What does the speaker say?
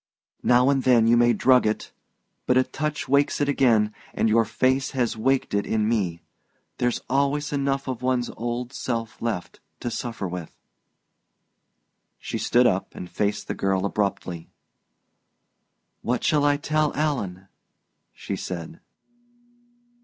Now and then you may drug it but a touch wakes it again, as your face has waked it in me. There's always enough of one's old self left to suffer with...." She stood up and faced the girl abruptly. "What shall I tell Alan?" she said.